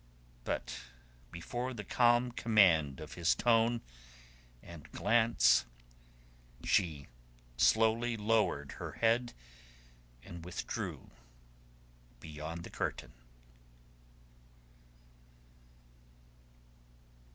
But before the calm command of his tone and glance she slowly lowered her head and withdrew beyond the curtain.